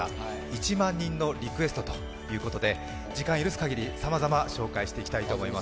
１万人のリクエストということで、時間許す限りさまざま紹介していきたいと思います。